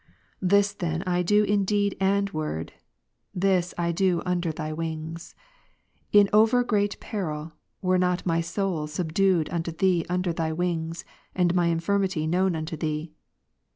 This then I do in deed and word, this I do under Thy wings ; in over great peril, were not my soul subdued unto Thee under Thy wings, and my infirmity known unto Thee.